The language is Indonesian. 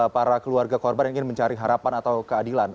para keluarga korban yang ingin mencari harapan atau keadilan